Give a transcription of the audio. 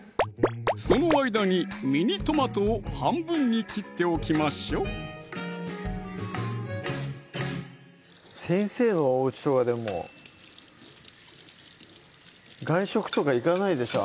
その間にミニトマトを半分に切っておきましょう先生のおうちとかでも外食とか行かないでしょ